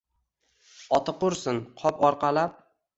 Oti qursin, qop orqalab